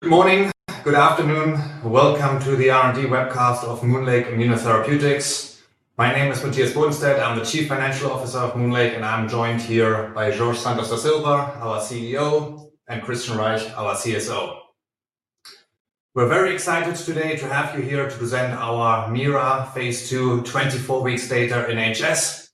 Good morning. Good afternoon. Welcome to the R&D webcast of MoonLake Immunotherapeutics. My name is Matthias Bodenstedt. I'm the Chief Financial Officer of MoonLake, and I'm joined here by Jorge Santos da Silva, our CEO, and Kristian Reich, our CSO. We're very excited today to have you here to present our MIRA phase II 24 weeks data in HS.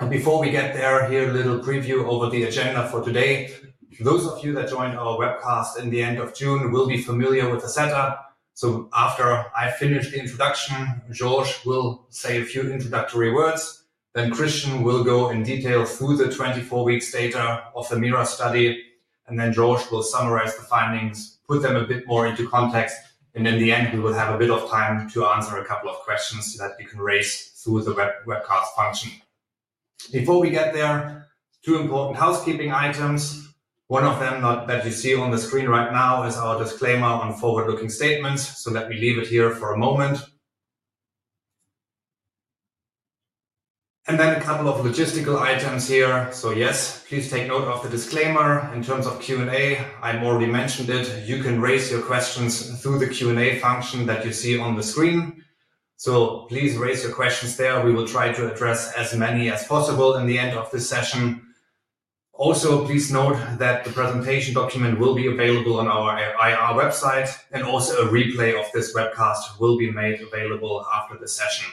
And before we get there, here, a little preview over the agenda for today. Those of you that joined our webcast in the end of June will be familiar with the setup. So after I finish the introduction, Jorge will say a few introductory words, then Kristian will go in detail through the 24 weeks data of the MIRA study, and then Jorge will summarize the findings, put them a bit more into context, and in the end, we will have a bit of time to answer a couple of questions that you can raise through the webcast function. Before we get there, two important housekeeping items. One of them that you see on the screen right now is our disclaimer on forward-looking statements, so let me leave it here for a moment. And then a couple of logistical items here. So yes, please take note of the disclaimer. In terms of Q&A, I already mentioned it, you can raise your questions through the Q&A function that you see on the screen. So please raise your questions there. We will try to address as many as possible in the end of this session. Also, please note that the presentation document will be available on our IR website, and also a replay of this webcast will be made available after the session.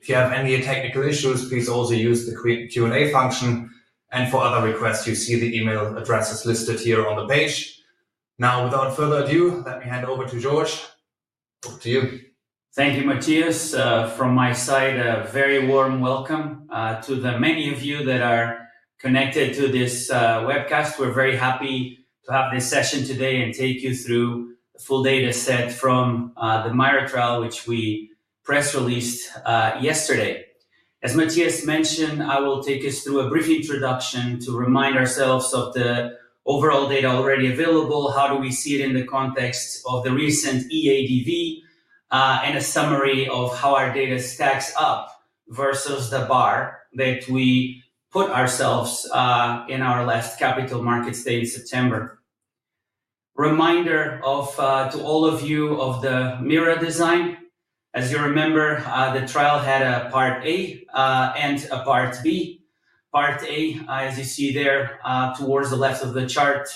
If you have any technical issues, please also use the Q&A function, and for other requests, you see the email address is listed here on the page. Now, without further ado, let me hand over to Jorge. Over to you. Thank you, Matthias. From my side, a very warm welcome to the many of you that are connected to this webcast. We're very happy to have this session today and take you through the full data set from the MIRA trial, which we press released yesterday. As Matthias mentioned, I will take us through a brief introduction to remind ourselves of the overall data already available, how do we see it in the context of the recent EADV, and a summary of how our data stacks up versus the bar that we put ourselves in our last Capital Market Day in September. Reminder to all of you of the MIRA design. As you remember, the trial had a Part A and a Part B. Part A, as you see there, towards the left of the chart,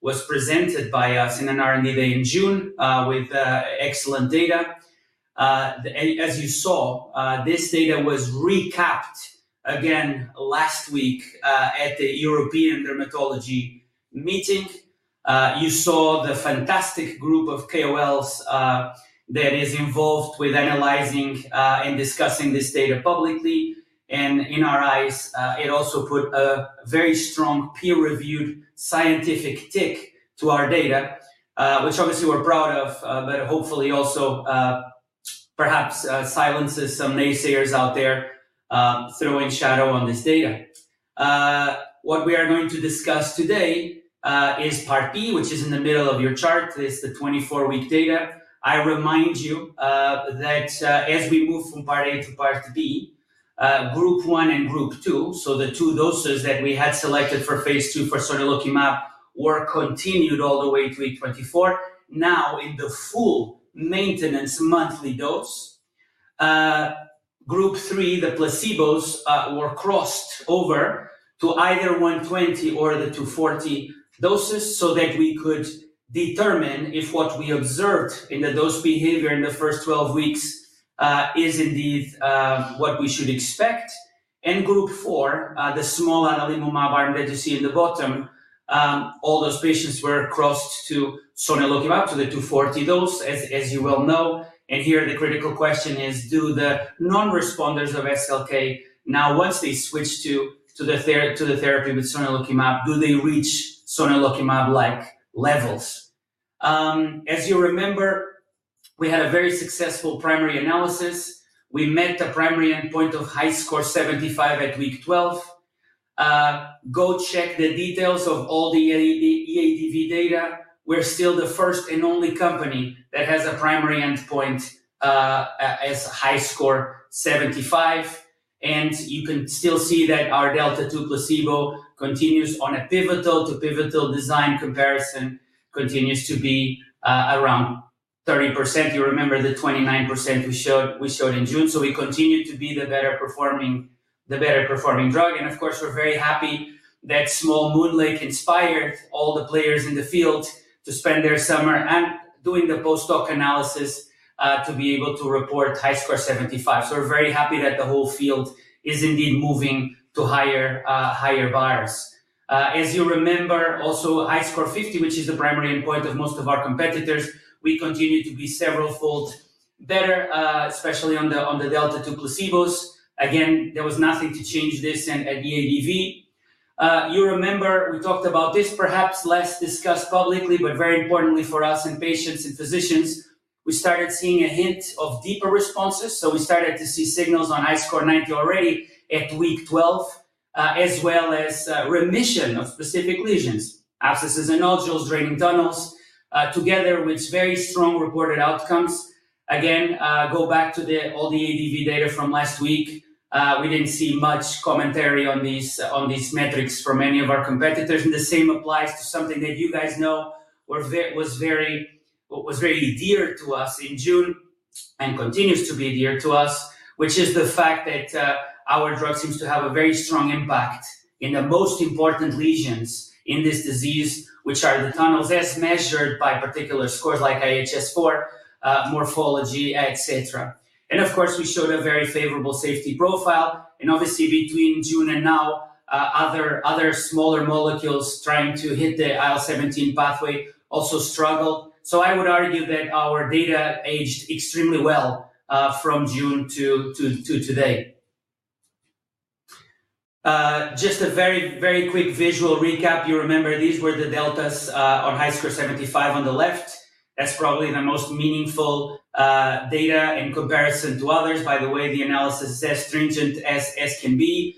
was presented by us in an R&D Day in June with excellent data. As you saw, this data was recapped again last week at the European Dermatology Meeting. You saw the fantastic group of KOLs that is involved with analyzing and discussing this data publicly. In our eyes, it also put a very strong peer-reviewed scientific tick to our data, which obviously we're proud of, but hopefully also perhaps silences some naysayers out there throwing shadow on this data. What we are going to discuss today is part B, which is in the middle of your chart. It's the 24-week data. I remind you that as we move from Part A to Part B, group one and group two, so the two doses that we had selected for phase II for sonelokimab were continued all the way to week 24. Now, in the full maintenance monthly dose, group three, the placebos, were crossed over to either 120 mg or the 240 mg doses, so that we could determine if what we observed in the dose behavior in the first 12 weeks is indeed what we should expect. And group four, the small adalimumab arm that you see in the bottom, all those patients were crossed to sonelokimab, to the 240 mg dose, as you well know. Here, the critical question is, do the non-responders of SLT, now, once they switch to the therapy with sonelokimab, do they reach sonelokimab-like levels? As you remember, we had a very successful primary analysis. We met the primary endpoint of HiSCR75 at week 12. Go check the details of all the EADV data. We're still the first and only company that has a primary endpoint as a HiSCR75, and you can still see that our delta to placebo continues on a pivotal-to-pivotal design comparison, continues to be around 30%. You remember the 29% we showed in June. So we continue to be the better performing drug. Of course, we're very happy that small MoonLake inspired all the players in the field to spend their summer doing the post-hoc analysis to be able to report HiSCR75. So we're very happy that the whole field is indeed moving to higher bars. As you remember, also, HiSCR50, which is the primary endpoint of most of our competitors, we continue to be several-fold better, especially on the delta to placebo. Again, there was nothing to change this at EADV. You remember we talked about this, perhaps less discussed publicly, but very importantly for us and patients and physicians, we started seeing a hint of deeper responses. So we started to see signals on HiSCR90 already at week 12, as well as remission of specific lesions, abscesses and nodules, draining tunnels, together with very strong reported outcomes. Again, go back to all the EADV data from last week. We didn't see much commentary on these, on these metrics from any of our competitors, and the same applies to something that you guys know was very dear to us in June and continues to be dear to us, which is the fact that our drug seems to have a very strong impact in the most important lesions in this disease, which are the tunnels, as measured by particular scores like IHS4, morphology, et cetera. And of course, we showed a very favorable safety profile. Obviously, between June and now, other smaller molecules trying to hit the IL-17 pathway also struggled. So I would argue that our data aged extremely well, from June to today. Just a very, very quick visual recap. You remember, these were the deltas, on HiSCR75 on the left. That's probably the most meaningful, data in comparison to others. By the way, the analysis is as stringent as can be.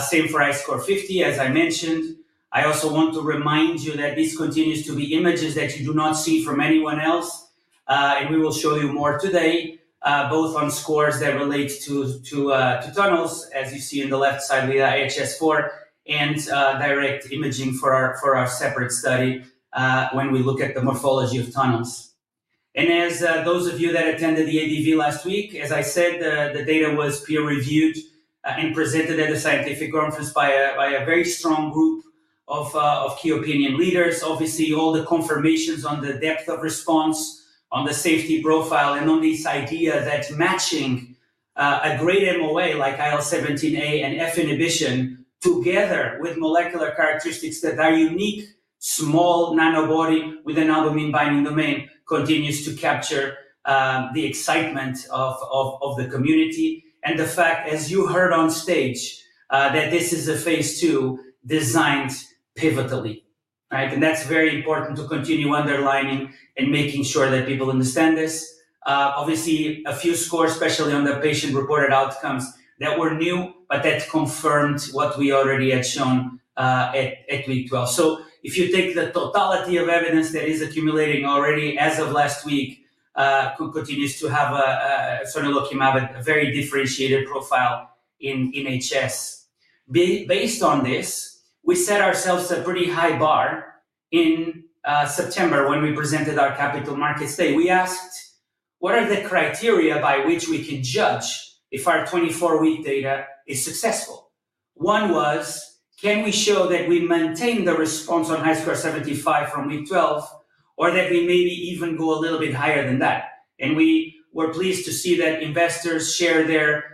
Same for HiSCR50, as I mentioned. I also want to remind you that this continues to be images that you do not see from anyone else. And we will show you more today, both on scores that relate to tunnels, as you see on the left side with the IHS4, and direct imaging for our separate study, when we look at the morphology of tunnels. And as those of you that attended the EADV last week, as I said, the data was peer-reviewed and presented at a scientific conference by a very strong group of key opinion leaders. Obviously, all the confirmations on the depth of response, on the safety profile, and on this idea that matching a great MOA, like IL-17A and IL-17F inhibition together with molecular characteristics that are unique, small Nanobody with an antibody binding domain, continues to capture the excitement of the community. The fact, as you heard on stage, that this is a phase II designed pivotally, right? That's very important to continue underlining and making sure that people understand this. Obviously, a few scores, especially on the patient-reported outcomes, that were new, but that confirmed what we already had shown, at week 12. So if you take the totality of evidence that is accumulating already as of last week, sonelokimab continues to have a very differentiated profile in HS. Based on this, we set ourselves a pretty high bar in September when we presented our capital markets day. We asked, "What are the criteria by which we can judge if our 24-week data is successful?" One was, can we show that we maintained the response on HiSCR75 from week 12, or that we maybe even go a little bit higher than that? And we were pleased to see that investors share their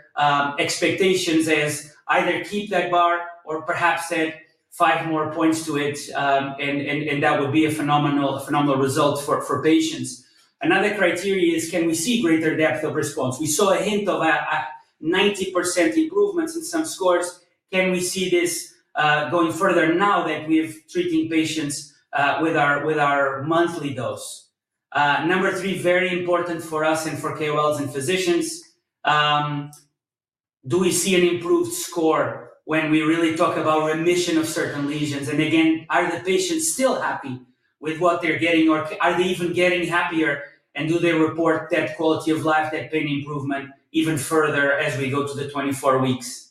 expectations as either keep that bar or perhaps add 5 more points to it, and that would be a phenomenal, phenomenal result for patients. Another criteria is, can we see greater depth of response? We saw a hint of a 90% improvements in some scores. Can we see this going further now that we're treating patients with our monthly dose? Number three, very important for us and for KOLs and physicians, do we see an improved score when we really talk about remission of certain lesions? And again, are the patients still happy with what they're getting, or are they even getting happier? And do they report that quality of life, that pain improvement even further as we go to the 24 weeks?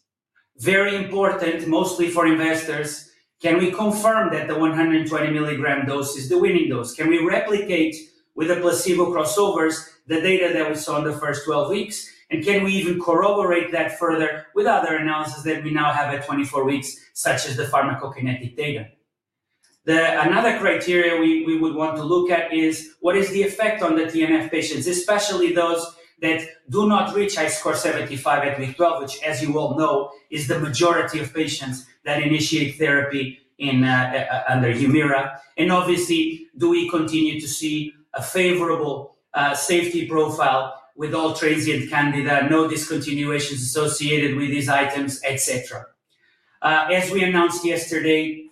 Very important, mostly for investors, can we confirm that the 120 mg dose is the winning dose? Can we replicate with the placebo crossovers, the data that we saw in the first 12 weeks? And can we even corroborate that further with other analysis that we now have at 24 weeks, such as the pharmacokinetic data? Another criteria we would want to look at is, what is the effect on the TNF patients, especially those that do not reach HiSCR75 at week 12, which, as you all know, is the majority of patients that initiate therapy under Humira. And obviously, do we continue to see a favorable safety profile with all transient candida, no discontinuations associated with these items, et cetera. As we announced yesterday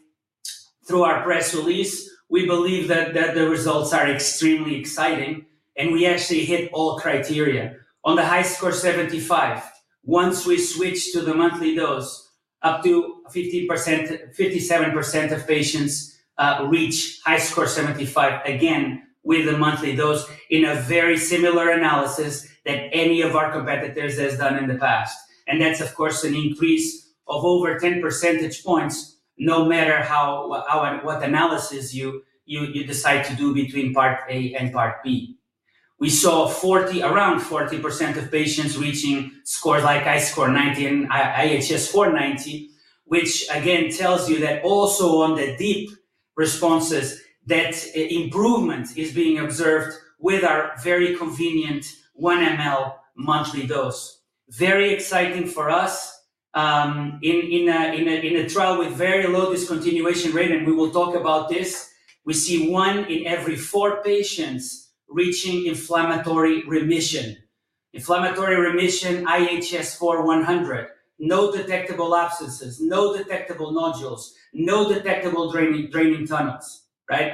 through our press release, we believe that the results are extremely exciting, and we actually hit all criteria. On the HiSCR75, once we switched to the monthly dose, up to 50%, 57% of patients reach HiSCR75, again, with a monthly dose in a very similar analysis than any of our competitors has done in the past. That's, of course, an increase of over 10 percentage points, no matter how and what analysis you decide to do between Part A and Part B. We saw around 40% of patients reaching scores like HiSCR90 and IHS4-90, which again, tells you that also on the deep responses, that improvement is being observed with our very convenient 1 ml monthly dose. Very exciting for us, in a trial with very low discontinuation rate, and we will talk about this. We see one in every four patients reaching inflammatory remission. Inflammatory remission, IHS4-100, no detectable abscesses, no detectable nodules, no detectable draining tunnels, right?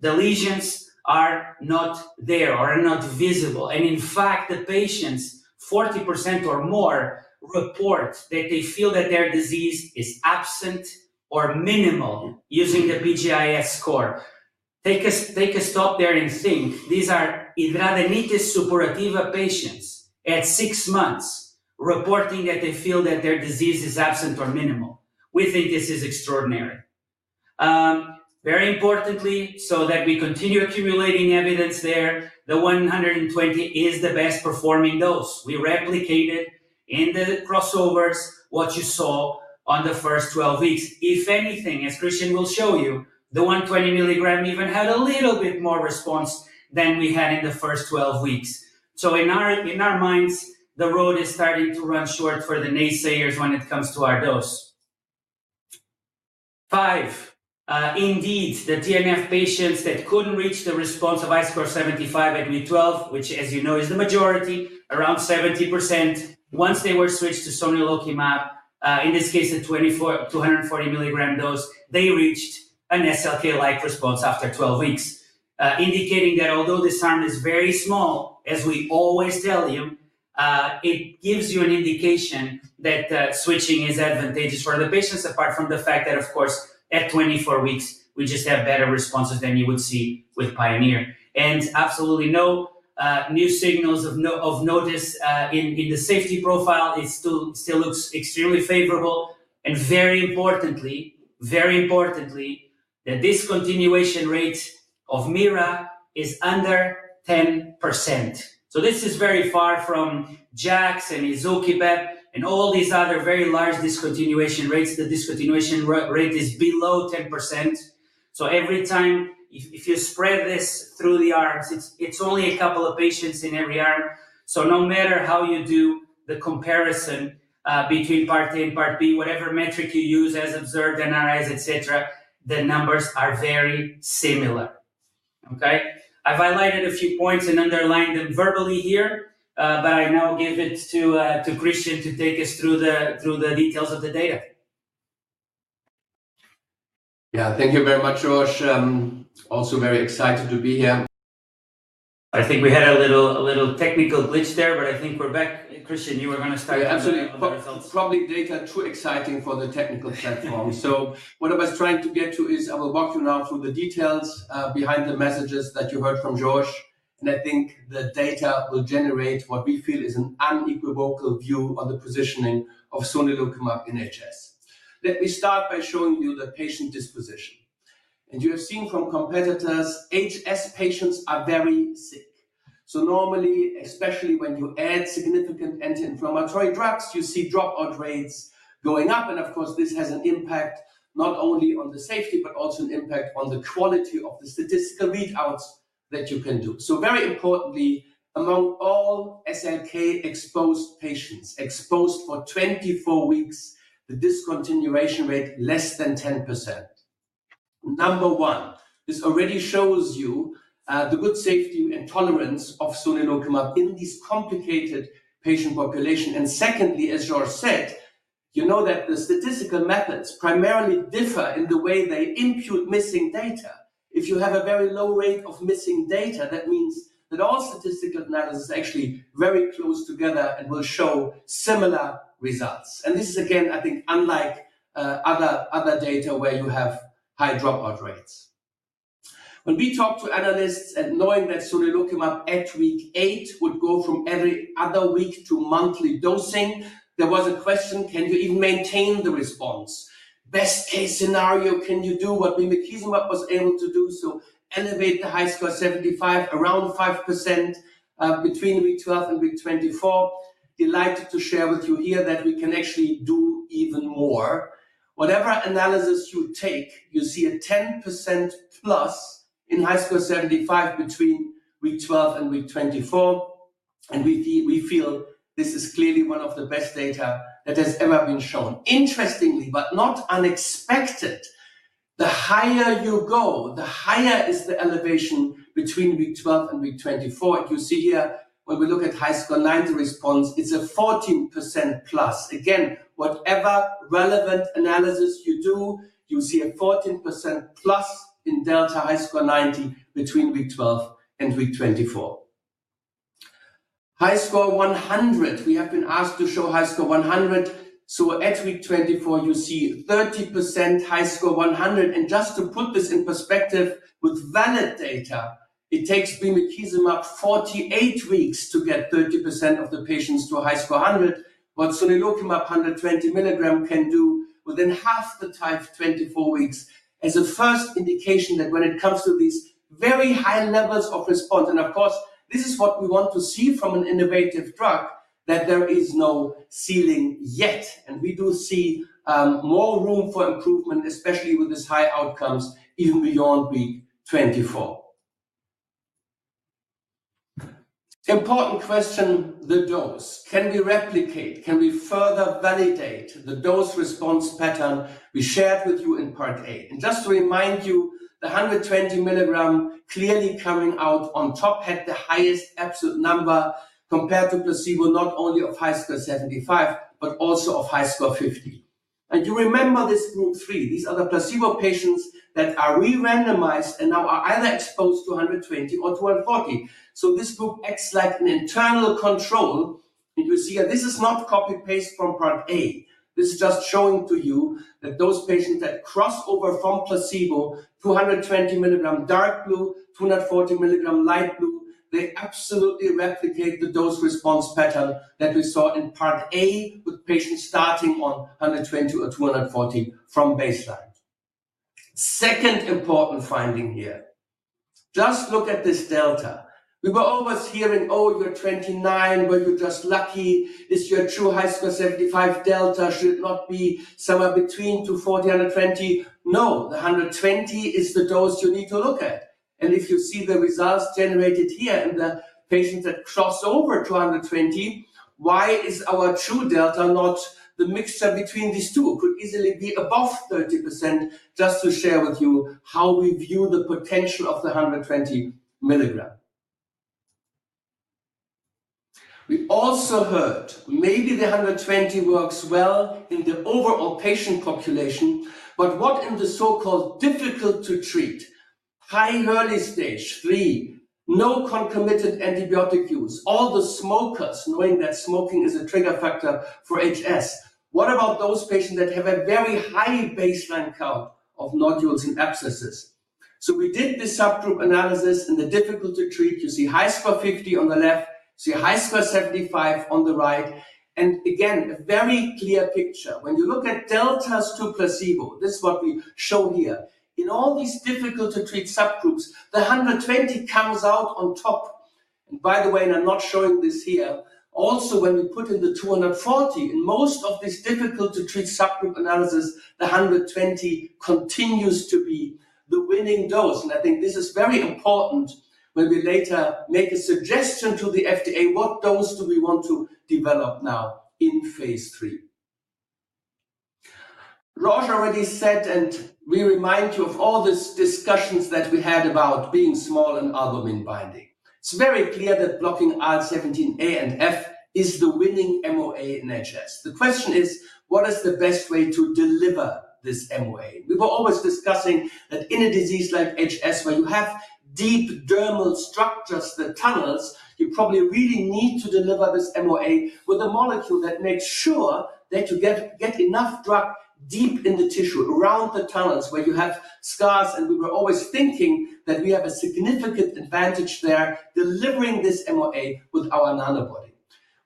The lesions are not there or are not visible, and in fact, the patients, 40% or more, report that they feel that their disease is absent or minimal using the PGIS score. Take a stop there and think, these are hidradenitis suppurativa patients at six months, reporting that they feel that their disease is absent or minimal. We think this is extraordinary. Very importantly, so that we continue accumulating evidence there, the 120 mg is the best performing dose. We replicated in the crossovers what you saw on the first 12 weeks. If anything, as Kristian will show you, the 120 milligram even had a little bit more response than we had in the first 12 weeks. So in our, in our minds, the road is starting to run short for the naysayers when it comes to our dose. Finally, indeed, the TNF patients that couldn't reach the response of HiSCR75 at week 12, which as you know, is the majority, around 70%. Once they were switched to sonelokimab, in this case, the 240 mg dose, they reached a sonelokimab-like response after 12 weeks. Indicating that although the sample is very small, as we always tell you, it gives you an indication that switching is advantageous for the patients, apart from the fact that, of course, at 24 weeks, we just have better responses than you would see with PIONEER. And absolutely no new signals of note in the safety profile, it still looks extremely favorable. And very importantly, very importantly, the discontinuation rate of MIRA is under 10%. So this is very far from JAKs and ozanimod, and all these other very large discontinuation rates. The discontinuation rate is below 10%. So every time, if you spread this through the arms, it's only a couple of patients in every arm. So no matter how you do the comparison between Part A and Part B, whatever metric you use as observed, NRIs, et cetera, the numbers are very similar. Okay? I've highlighted a few points and underlined them verbally here, but I now give it to Kristian to take us through the details of the data. Yeah. Thank you very much, Jorge. I'm also very excited to be here. I think we had a little technical glitch there, but I think we're back. Kristian, you were gonna start with the results. Absolutely. Probably data too exciting for the technical platform. So what I was trying to get to is I will walk you now through the details behind the messages that you heard from Jorge. And I think the data will generate what we feel is an unequivocal view on the positioning of sonelokimab in HS. Let me start by showing you the patient disposition. And you have seen from competitors, HS patients are very sick. So normally, especially when you add significant anti-inflammatory drugs, you see dropout rates going up, and of course, this has an impact not only on the safety, but also an impact on the quality of the statistical readouts that you can do. So very importantly, among all sonelokimab-exposed patients, exposed for 24 weeks, the discontinuation rate, less than 10%. Number 1, this already shows you the good safety and tolerance of sonelokimab in this complicated patient population. And secondly, as Jorge said, you know that the statistical methods primarily differ in the way they impute missing data. If you have a very low rate of missing data, that means that all statistical analysis is actually very close together and will show similar results. And this is, again, I think, unlike other data where you have high dropout rates. When we talk to analysts and knowing that sonelokimab at week 8 would go from every other week to monthly dosing, there was a question: Can you even maintain the response? Best case scenario, can you do what bimekizumab was able to do? So elevate the HiSCR75, around 5%, between week 12 and week 24. Delighted to share with you here that we can actually do even more. Whatever analysis you take, you see a 10+% in HiSCR75 between week 12 and week 24, and we feel this is clearly one of the best data that has ever been shown. Interestingly, but not unexpected, the higher you go, the higher is the elevation between week 12 and week 24. You see here, when we look at HiSCR90 response, it's a +14%. Again, whatever relevant analysis you do, you see a 14+% in delta HiSCR90 between week 12 and week 24. HiSCR100. We have been asked to show HiSCR100, so at week 24, you see 30% HiSCR100. Just to put this in perspective with valid data, it takes bimekizumab 48 weeks to get 30% of the patients to a HiSCR100, but sonelokimab 120 mg can do it within half the time, 24 weeks, as a first indication that when it comes to these very high levels of response, and of course, this is what we want to see from an innovative drug, that there is no ceiling yet. And we do see more room for improvement, especially with these high outcomes, even beyond week 24. Important question, the dose. Can we replicate? Can we further validate the dose response pattern we shared with you in Part A? Just to remind you, the 120 mg, clearly coming out on top, had the highest absolute number compared to placebo, not only of HiSCR75, but also of HiSCR50. You remember this group three, these are the placebo patients that are re-randomized and now are either exposed to 120 mg or to 140 mg. So this group acts like an internal control. You see here, this is not copy-paste from Part A. This is just showing to you that those patients that cross over from placebo to 120 mg, dark blue, to 140 mg, light blue, they absolutely replicate the dose response pattern that we saw in Part A, with patients starting on 120 mg or 240 mg from baseline. Second important finding here, just look at this delta. We were always hearing, "Oh, you're 29, were you just lucky? Is your true HiSCR75 delta should not be somewhere between 240 mg and 120 mg." No, the 120 mg is the dose you need to look at. And if you see the results generated here in the patients that cross over to 120 mg, why is our true delta not the mixture between these two? It could easily be above 30%, just to share with you how we view the potential of the 120 mg. We also heard maybe the 120 mg works well in the overall patient population, but what in the so-called difficult to treat, high Hurley stage 3, no concomitant antibiotic use, all the smokers, knowing that smoking is a trigger factor for HS. What about those patients that have a very high baseline count of nodules and abscesses? So we did this subgroup analysis, and the difficult to treat, you see HiSCR50 on the left, see HiSCR75 on the right, and again, a very clear picture. When you look at deltas to placebo, this is what we show here. In all these difficult to treat subgroups, the 120 comes out on top. And by the way, and I'm not showing this here, also, when we put in the 240 mg, in most of these difficult to treat subgroup analysis, the 120 mg continues to be the winning dose. And I think this is very important when we later make a suggestion to the FDA, what dose do we want to develop now in phase III? Jorge already said, and we remind you of all these discussions that we had about being small and albumin binding. It's very clear that blocking IL-17A and IL-17F is the winning MOA in HS. The question is, what is the best way to deliver this MOA? We were always discussing that in a disease like HS, where you have deep dermal structures, the tunnels, you probably really need to deliver this MOA with a molecule that makes sure that you get enough drug deep in the tissue, around the tunnels, where you have scars. And we were always thinking that we have a significant advantage there, delivering this MOA with our nanobody.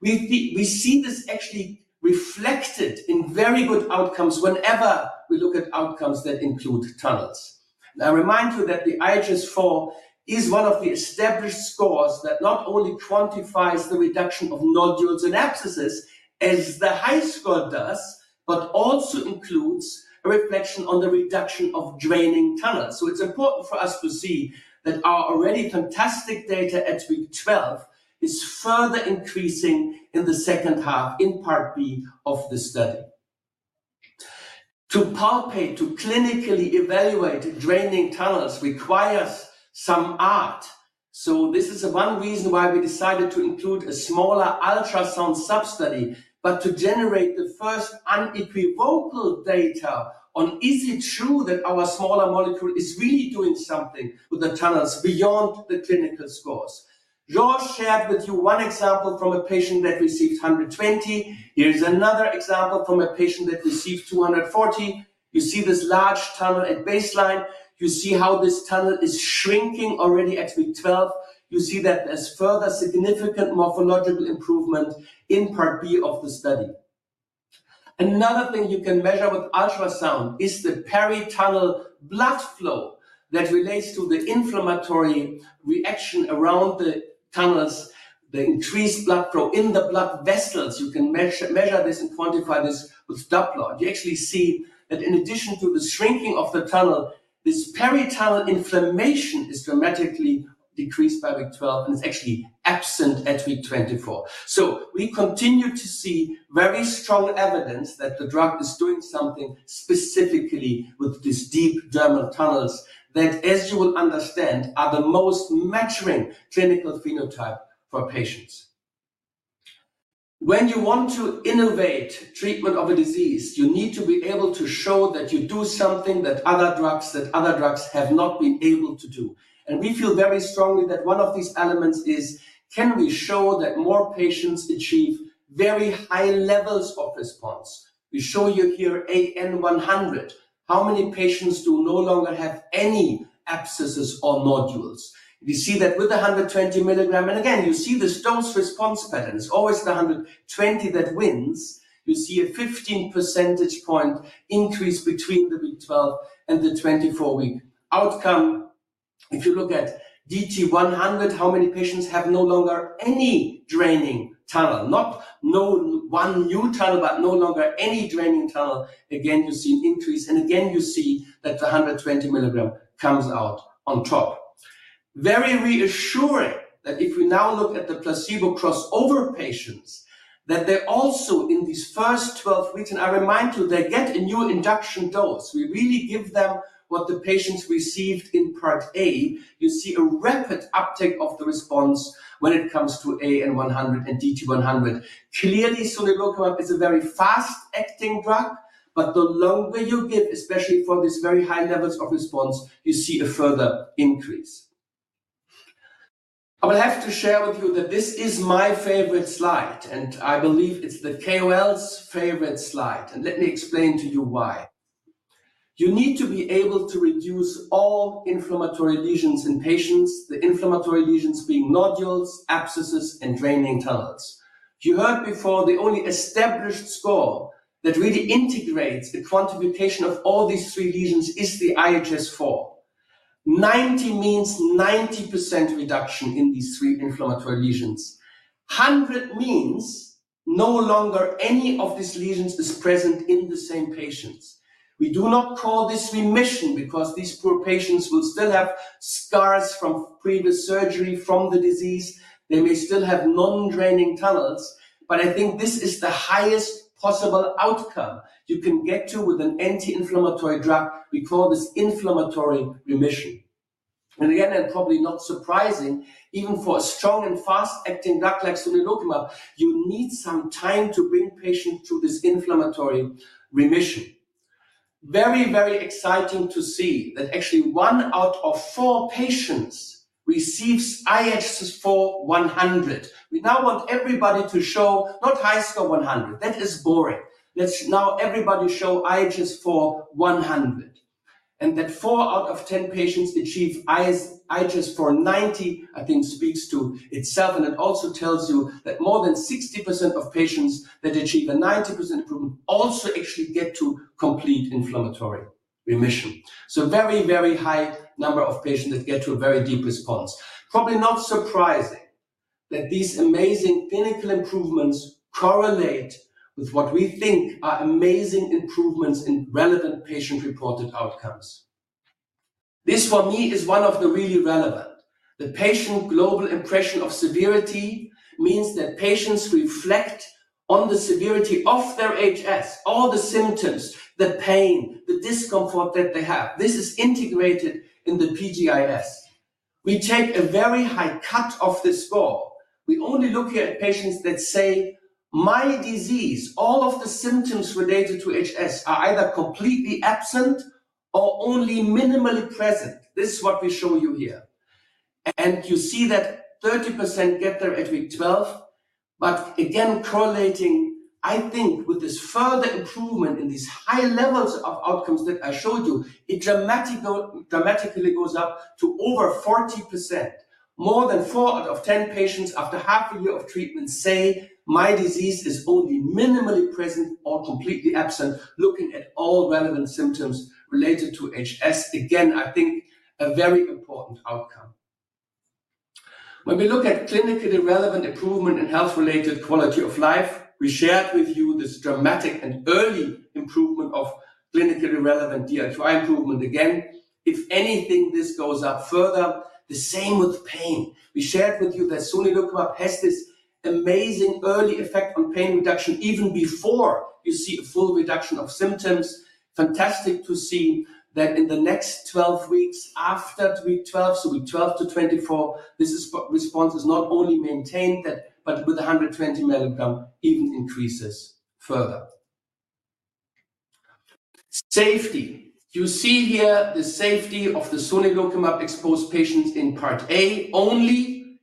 We see this actually reflected in very good outcomes whenever we look at outcomes that include tunnels. Now, I remind you that the IHS4 is one of the established scores that not only quantifies the reduction of nodules and abscesses, as the HiSCR does, but also includes a reflection on the reduction of draining tunnels. So it's important for us to see that our already fantastic data at week 12 is further increasing in the second half, in Part B of the study. To palpate, to clinically evaluate draining tunnels requires some art. So this is one reason why we decided to include a smaller ultrasound substudy, but to generate the first unequivocal data on, is it true that our smaller molecule is really doing something with the tunnels beyond the clinical scores? Jorge shared with you one example from a patient that received 120 mg. Here's another example from a patient that received 240 mg. You see this large tunnel at baseline. You see how this tunnel is shrinking already at week 12. You see that there's further significant morphological improvement in Part B of the study. Another thing you can measure with ultrasound is the peritunnel blood flow that relates to the inflammatory reaction around the tunnels, the increased blood flow in the blood vessels. You can measure this and quantify this with Doppler. You actually see that in addition to the shrinking of the tunnel, this peritunnel inflammation is dramatically decreased by week 12 and is actually absent at week 24. So we continue to see very strong evidence that the drug is doing something specifically with these deep dermal tunnels that, as you will understand, are the most meaningful clinical phenotype for patients. When you want to innovate treatment of a disease, you need to be able to show that you do something that other drugs, that other drugs have not been able to do. We feel very strongly that one of these elements is, can we show that more patients achieve very high levels of response? We show you here AN100, how many patients do no longer have any abscesses or nodules. We see that with 120 mg, and again, you see this dose response pattern. It's always the 120 mg that wins. You see a 15 percentage point increase between the week 12 and the 24-week outcome. If you look at DT100, how many patients have no longer any draining tunnel? Not one new tunnel, but no longer any draining tunnel. Again, you see an increase, and again, you see that the 120 milligram comes out on top. Very reassuring that if we now look at the placebo crossover patients, that they're also in these first 12 weeks, and I remind you, they get a new induction dose. We really give them what the patients received in Part A. You see a rapid uptake of the response when it comes to AN100 and DT100. Clearly, sonelokimab is a very fast-acting drug, but the longer you give, especially for these very high levels of response, you see a further increase. I will have to share with you that this is my favorite slide, and I believe it's the KOL's favorite slide, and let me explain to you why. You need to be able to reduce all inflammatory lesions in patients, the inflammatory lesions being nodules, abscesses, and draining tunnels. You heard before, the only established score that really integrates the quantification of all these three lesions is the IHS4. 90 means 90% reduction in these three inflammatory lesions. 100 means no longer any of these lesions is present in the same patients. We do not call this remission, because these poor patients will still have scars from previous surgery, from the disease. They may still have non-draining tunnels, but I think this is the highest possible outcome you can get to with an anti-inflammatory drug. We call this inflammatory remission. And again, and probably not surprising, even for a strong and fast-acting drug like sonelokimab, you need some time to bring patients to this inflammatory remission. Very, very exciting to see that actually 1 out of 4 patients receives IHS4-100. We now want everybody to show, not HiSCR100. That is boring. Let's now everybody show IHS4-100. And that four out of 10 patients achieve IHS4-90, I think speaks to itself, and it also tells you that more than 60% of patients that achieve a 90% improvement also actually get to complete inflammatory remission. So very, very high number of patients that get to a very deep response. Probably not surprising that these amazing clinical improvements correlate with what we think are amazing improvements in relevant patient-reported outcomes. This, for me, is one of the really relevant. The patient global impression of severity means that patients reflect on the severity of their HS, all the symptoms, the pain, the discomfort that they have. This is integrated in the PGIS. We take a very high cut of the score. We only look at patients that say, "My disease, all of the symptoms related to HS, are either completely absent or only minimally present." This is what we show you here. And you see that 30% get there at week 12, but again, correlating, I think, with this further improvement in these high levels of outcomes that I showed you, it dramatically, dramatically goes up to over 40%. More than four out of 10 patients after half a year of treatment say, "My disease is only minimally present or completely absent," looking at all relevant symptoms related to HS. Again, I think a very important outcome. When we look at clinically relevant improvement in health-related quality of life, we shared with you this dramatic and early improvement of clinically relevant DHI improvement. Again, if anything, this goes up further. The same with pain. We shared with you that sonelokimab has this amazing early effect on pain reduction, even before you see a full reduction of symptoms. Fantastic to see that in the next 12 weeks, after week 12, so week 12 to 24, this response is not only maintained, but with a 120 mg, even increases further. Safety. You see here the safety of the sonelokimab exposed patients in Part A.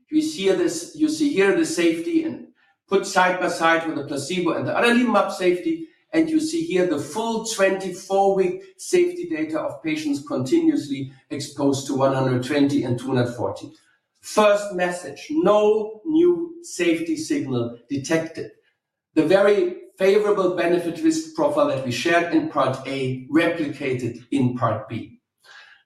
You see here the safety and put side by side with the placebo and the adalimumab safety, and you see here the full 24-week safety data of patients continuously exposed to 120 mg and 240 mg. First message, no new safety signal detected. The very favorable benefit risk profile that we shared in Part A replicated in Part B.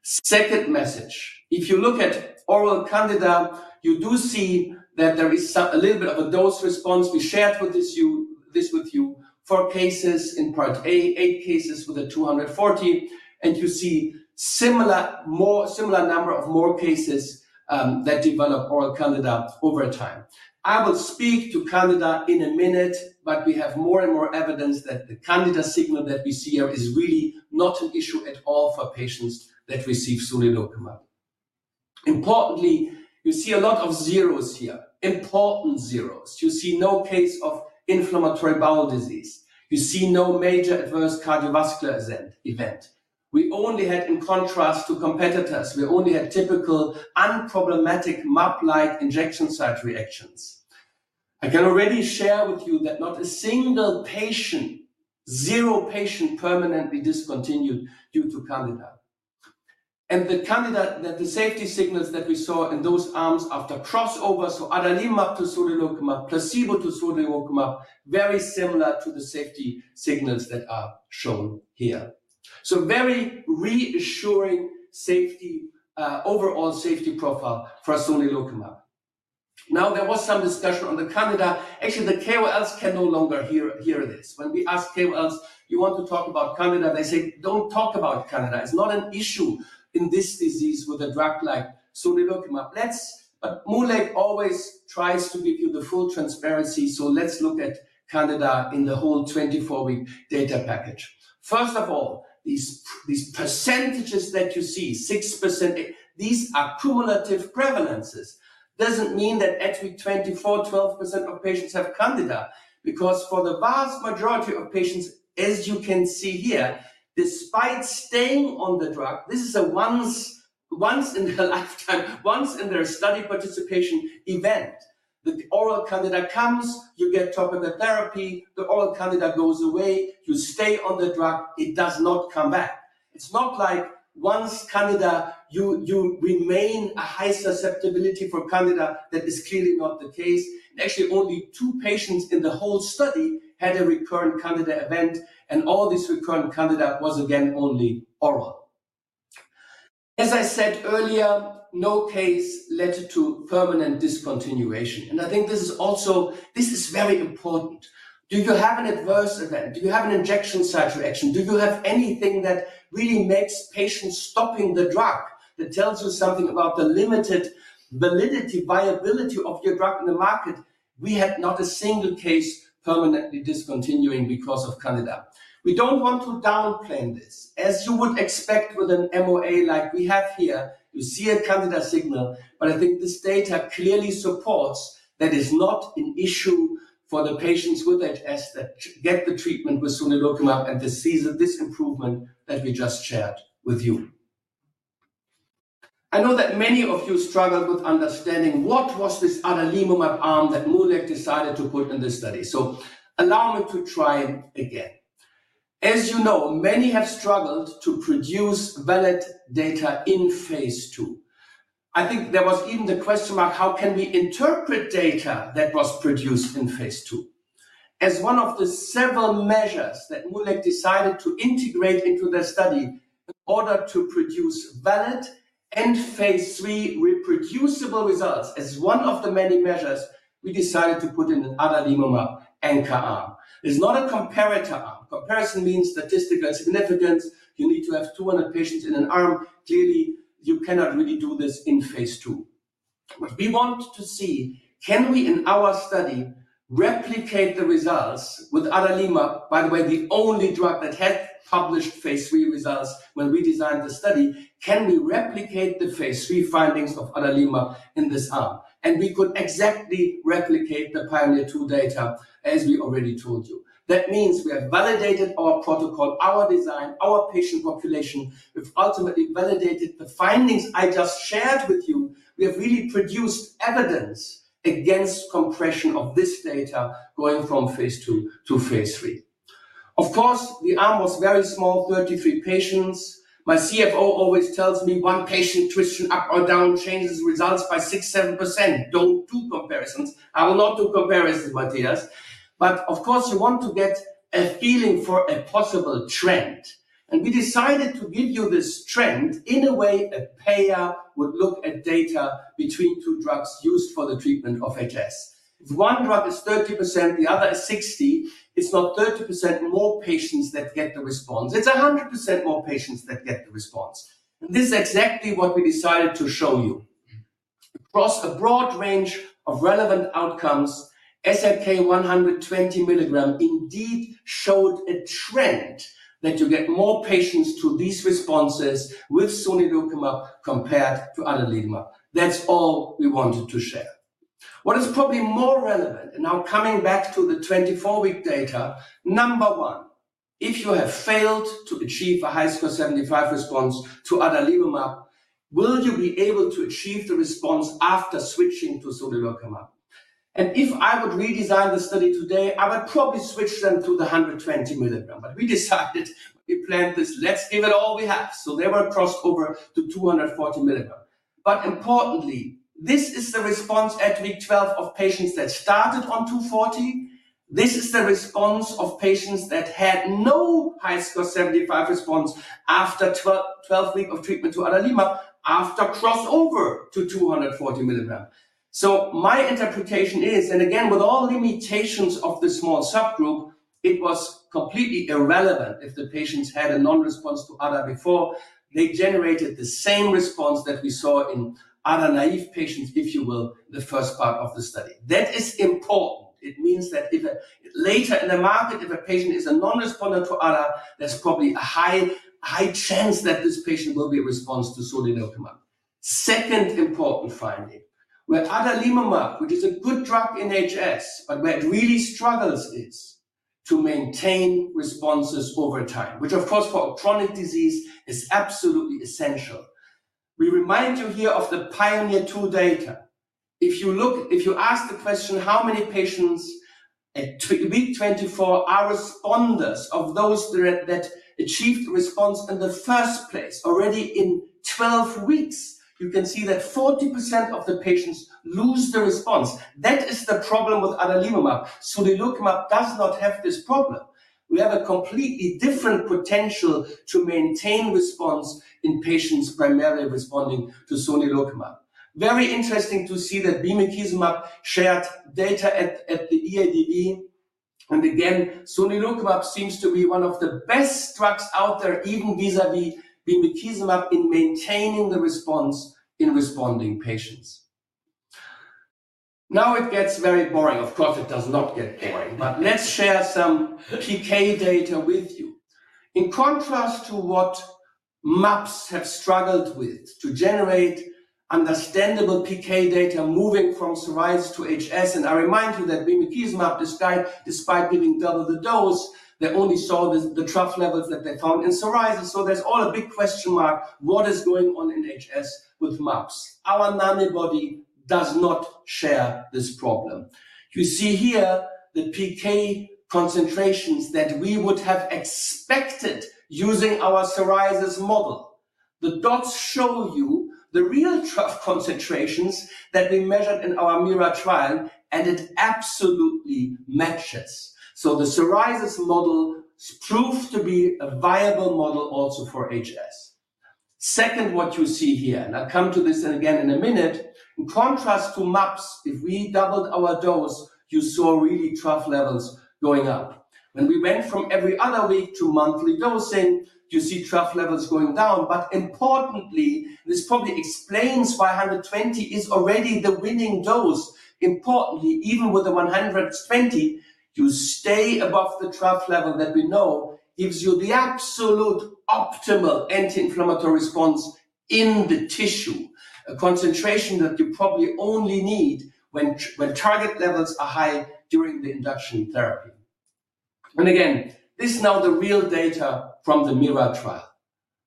Second message, if you look at oral candida, you do see that there is some, a little bit of a dose response. We shared this with you, four cases in Part A, eight cases with the 240 mg, and you see similar, more similar number of more cases that develop oral candida over time. I will speak to candida in a minute, but we have more and more evidence that the candida signal that we see here is really not an issue at all for patients that receive sonelokimab. Importantly, you see a lot of zeros here, important zeros. You see no case of inflammatory bowel disease. You see no major adverse cardiovascular event. We only had, in contrast to competitors, we only had typical, unproblematic mAb-like injection site reactions. I can already share with you that not a single patient, zero patient, permanently discontinued due to candida. The candida, that the safety signals that we saw in those arms after crossover, so adalimumab to sonelokimab, placebo to sonelokimab, very similar to the safety signals that are shown here. Very reassuring safety, overall safety profile for sonelokimab. Now, there was some discussion on the candida. Actually, the KOLs can no longer hear this. When we ask KOLs, "you want to talk about candida?" They say, "don't talk about candida. It's not an issue in this disease with a drug like sonelokimab." Let's but MoonLake always tries to give you the full transparency, so let's look at candida in the whole 24-week data package. First of all, these percentages that you see, 6%, these are cumulative prevalences. Doesn't mean that at week 24, 12% of patients have candida, because for the vast majority of patients, as you can see here, despite staying on the drug, this is a once in their lifetime, once in their study participation event, that the oral candida comes, you get topical therapy, the oral candida goes away, you stay on the drug, it does not come back. It's not like once candida, you remain a high susceptibility for candida. That is clearly not the case. And actually, only two patients in the whole study had a recurrent candida event, and all this recurrent candida was again only oral. As I said earlier, no case led to permanent discontinuation, and I think this is also—this is very important. Do you have an adverse event? Do you have an injection site reaction? Do you have anything that really makes patients stopping the drug, that tells you something about the limited validity, viability of your drug in the market? We had not a single case permanently discontinuing because of candida. We don't want to downplay this. As you would expect with an MOA like we have here, you see a candida signal, but I think this data clearly supports that is not an issue for the patients with HS that get the treatment with sonelokimab and this session, this improvement that we just shared with you. I know that many of you struggled with understanding what was this adalimumab arm that MoonLake decided to put in this study. So allow me to try again. As you know, many have struggled to produce valid data in phase II. I think there was even the question about how can we interpret data that was produced in phase II? As one of the several measures that MoonLake decided to integrate into their study in order to produce valid and phase three reproducible results, as one of the many measures, we decided to put in an adalimumab anchor arm. It's not a comparator arm. Comparison means statistical significance. You need to have 200 patients in an arm. Clearly, you cannot really do this in phase II. What we want to see, can we, in our study, replicate the results with adalimumab, by the way, the only drug that had published phase three results when we designed the study, can we replicate the phase three findings of adalimumab in this arm? We could exactly replicate the PIONEER II data, as we already told you. That means we have validated our protocol, our design, our patient population. We've ultimately validated the findings I just shared with you. We have really produced evidence against compression of this data going from phase II to phase III. Of course, the arm was very small, 33 patients. My CFO always tells me, "one patient twisting up or down changes results by 6%, 7%. Don't do comparisons." I will not do comparisons, Matthias. But of course, you want to get a feeling for a possible trend, and we decided to give you this trend in a way a payer would look at data between two drugs used for the treatment of HS. If one drug is 30%, the other is 60%, it's not 30% more patients that get the response, it's a 100% more patients that get the response. And this is exactly what we decided to show you. Across a broad range of relevant outcomes, sonelokimab 120 mg indeed showed a trend that you get more patients to these responses with sonelokimab compared to adalimumab. That's all we wanted to share. What is probably more relevant, and now coming back to the 24-week data, number one, if you have failed to achieve a HiSCR75 response to adalimumab, will you be able to achieve the response after switching to sonelokimab? And if I would redesign the study today, I would probably switch them to the 120 mg. But we decided, we planned this, "Let's give it all we have." So they were crossed over to 240 mg. But importantly, this is the response at week 12 of patients that started on 240 mg. This is the response of patients that had no HiSCR75 response after 12th week of treatment to adalimumab, after crossover to 240 mg. So my interpretation is, and again, with all limitations of this small subgroup, it was completely irrelevant if the patients had a non-response to adalimumab before. They generated the same response that we saw in adalimumab-naive patients, if you will, in the first part of the study. That is important. It means that if a later in the market, if a patient is a non-responder to adalimumab, there's probably a high, high chance that this patient will be a response to sonelokimab. Second important finding: with adalimumab, which is a good drug in HS, but where it really struggles is to maintain responses over time, which, of course, for a chronic disease, is absolutely essential. We remind you here of the PIONEER II data. If you look, if you ask the question, how many patients at week 24 are responders of those that achieved the response in the first place, already in 12 weeks, you can see that 40% of the patients lose the response. That is the problem with adalimumab. Sonelokimab does not have this problem. We have a completely different potential to maintain response in patients primarily responding to sonelokimab. Very interesting to see that bimekizumab shared data at the EADV. And again, sonelokimab seems to be one of the best drugs out there, even vis-à-vis bimekizumab, in maintaining the response in responding patients. Now, it gets very boring. Of course, it does not get boring, but let's share some PK data with you. In contrast to what mAbs have struggled with to generate-... understandable PK data moving from psoriasis to HS. I remind you that bimekizumab, despite, despite giving double the dose, they only saw the, the trough levels that they found in psoriasis. So there's all a big question mark, what is going on in HS with mAbs? Our Nanobody does not share this problem. You see here the PK concentrations that we would have expected using our psoriasis model. The dots show you the real trough concentrations that we measured in our MIRA trial, and it absolutely matches. So the psoriasis model proved to be a viable model also for HS. Second, what you see here, and I'll come to this again in a minute. In contrast to mAbs, if we doubled our dose, you saw really trough levels going up. When we went from every other week to monthly dosing, you see trough levels going down. But importantly, this probably explains why 120 mg is already the winning dose. Importantly, even with the 120 mg, you stay above the trough level that we know gives you the absolute optimal anti-inflammatory response in the tissue. A concentration that you probably only need when target levels are high during the induction therapy. And again, this is now the real data from the MIRA trial.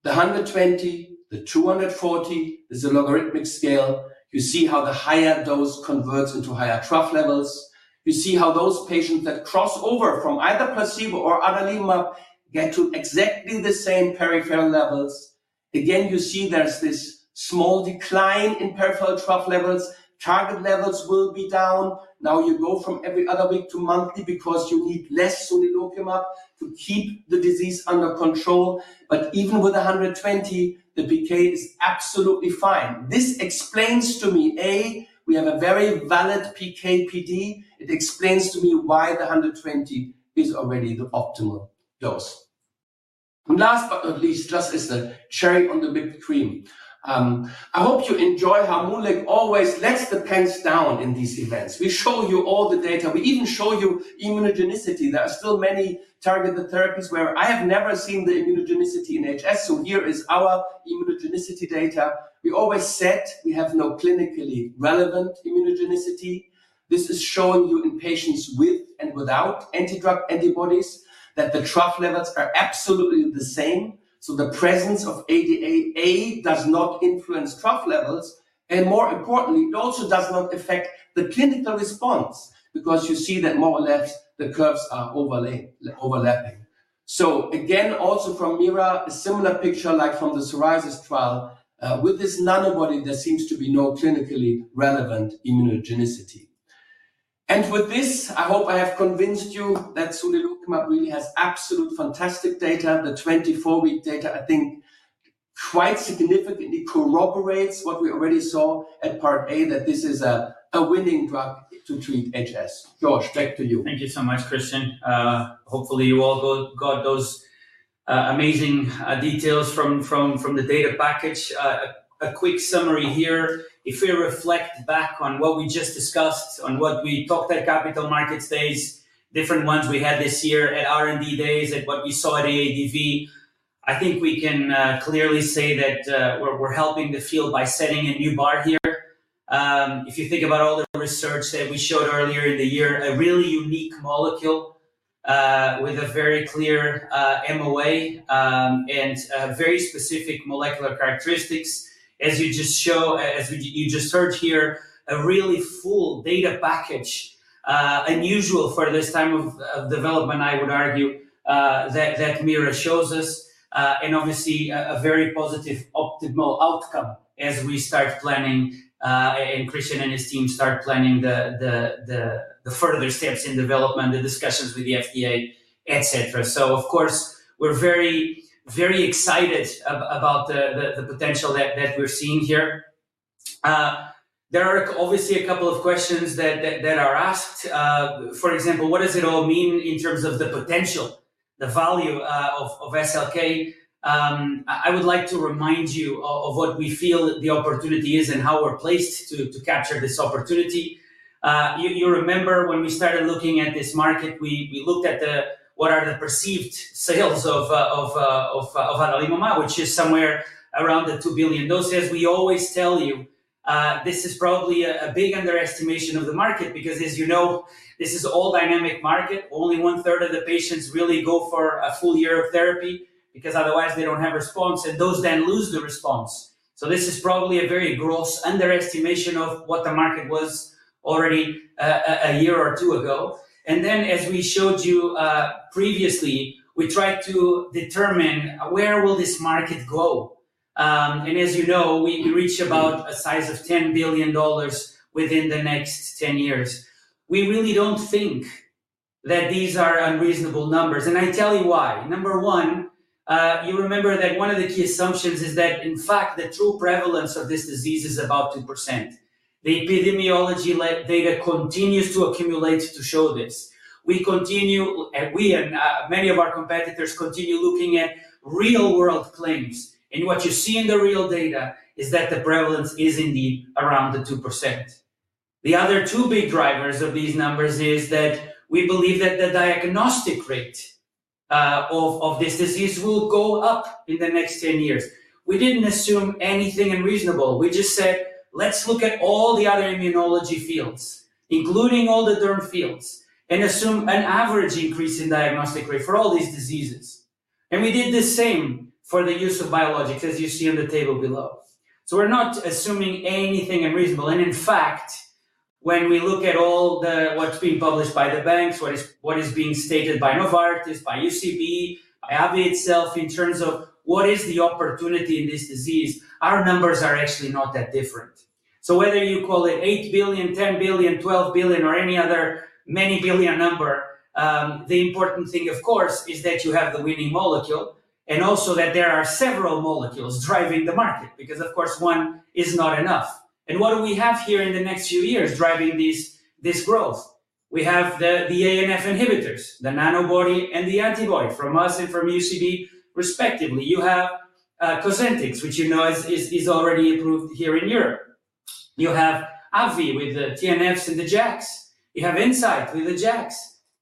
The 120 mg, the 240 mg, is a logarithmic scale. You see how the higher dose converts into higher trough levels. You see how those patients that cross over from either placebo or adalimumab get to exactly the same peripheral levels. Again, you see there's this small decline in peripheral trough levels. Target levels will be down. Now, you go from every other week to monthly because you need less sonelokimab to keep the disease under control, but even with 120 mg, the PK is absolutely fine. This explains to me, A, we have a very valid PK/PD. It explains to me why the 120 mg is already the optimal dose. And last but not least, just is the cherry on the whipped cream. I hope you enjoy how MoonLake always lets the pants down in these events. We show you all the data. We even show you immunogenicity. There are still many targeted therapies where I have never seen the immunogenicity in HS, so here is our immunogenicity data. We always said we have no clinically relevant immunogenicity. This is showing you in patients with and without anti-drug antibodies, that the trough levels are absolutely the same, so the presence of ADA does not influence trough levels, and more importantly, it also does not affect the clinical response, because you see that more or less the curves are overlapping. So again, also from MIRA, a similar picture like from the psoriasis trial. With this Nanobody, there seems to be no clinically relevant immunogenicity. And with this, I hope I have convinced you that sonelokimab really has absolute fantastic data. The 24-week data, I think, quite significantly corroborates what we already saw at Part A, that this is a winning drug to treat HS. Jorge, back to you. Thank you so much, Kristian. Hopefully, you all got those amazing details from the data package. A quick summary here. If we reflect back on what we just discussed, on what we talked at Capital Markets Days, different ones we had this year, at R&D days, at what we saw at ADV, I think we can clearly say that we're helping the field by setting a new bar here. If you think about all the research that we showed earlier in the year, a really unique molecule with a very clear MOA and very specific molecular characteristics. As you just heard here, a really full data package, unusual for this time of development, I would argue, that MIRA shows us, and obviously a very positive optimal outcome as we start planning, and Kristian and his team start planning the further steps in development, the discussions with the FDA, et cetera. So of course, we're very, very excited about the potential that we're seeing here. There are obviously a couple of questions that are asked. For example, what does it all mean in terms of the potential, the value, of SLK? I would like to remind you of what we feel the opportunity is and how we're placed to capture this opportunity. You remember when we started looking at this market, we looked at the perceived sales of adalimumab, which is somewhere around the 2 billion doses. We always tell you this is probably a big underestimation of the market, because as you know, this is all dynamic market. Only one-third of the patients really go for a full year of therapy, because otherwise they don't have response, and those then lose the response. So this is probably a very gross underestimation of what the market was already a year or two ago. And then, as we showed you previously, we tried to determine where will this market go. And as you know, we reached about a size of $10 billion within the next 10 years. We really don't think that these are unreasonable numbers, and I tell you why. Number one, you remember that one of the key assumptions is that, in fact, the true prevalence of this disease is about 2%. The epidemiology data continues to accumulate to show this. We continue, and many of our competitors continue looking at real-world claims, and what you see in the real data is that the prevalence is indeed around the 2%... The other two big drivers of these numbers is that we believe that the diagnostic rate of this disease will go up in the next 10 years. We didn't assume anything unreasonable. We just said, "Let's look at all the other immunology fields, including all the derm fields, and assume an average increase in diagnostic rate for all these diseases." We did the same for the use of biologics, as you see on the table below. We're not assuming anything unreasonable, and in fact, when we look at all the what's being published by the banks, what is being stated by Novartis, by UCB, by AbbVie itself, in terms of what is the opportunity in this disease, our numbers are actually not that different. Whether you call it $8 billion, $10 billion, $12 billion or any other many billion number, the important thing, of course, is that you have the winning molecule, and also that there are several molecules driving the market, because, of course, one is not enough. What do we have here in the next few years driving this growth? We have the IL-17 inhibitors, the nanobody, and the antibody from us and from UCB respectively. You have Cosentyx, which you know is already approved here in Europe. You have AbbVie with the TNFs and the JAKs. You have Incyte with the JAKs.